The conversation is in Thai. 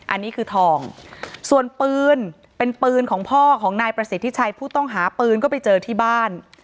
อันนี้คือทองส่วนปืนเป็นปืนของพ่อของนายประสิทธิชัยผู้ต้องหาปืนก็ไปเจอที่บ้าน